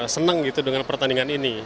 senang dengan pertandingan ini